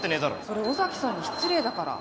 それ尾崎さんに失礼だから。